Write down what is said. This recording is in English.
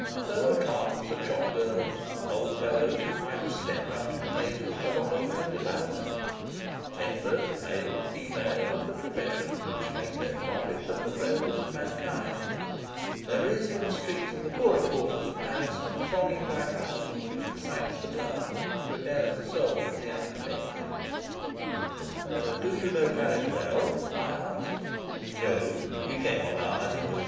There were clerks and shopgirls; old fellows who might have stepped out of the pages of Honore de Balzac; members, male and female, of the professions which make their profit of the frailties of mankind. There is in the streets of the poorer quarters of Paris a thronging vitality which excites the blood and prepares the soul for the unexpected. "Do you know Paris well?" I asked. "No. We came on our honeymoon.